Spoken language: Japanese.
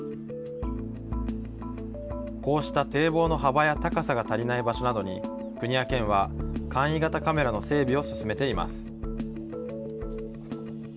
こうした堤防の幅や高さが足りない場所などに国や県は簡易型カメラの整備を進めています。